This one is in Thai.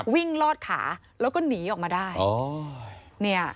ลอดขาแล้วก็หนีออกมาได้